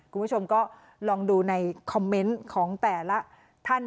คุณผู้ชมก็ลองดูในคอมเมนต์ของแต่ละท่าน